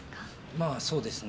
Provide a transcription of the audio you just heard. まあそうですね。